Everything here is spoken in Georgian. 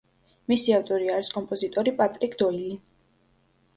მისი ავტორი არის კომპოზიტორი პატრიკ დოილი.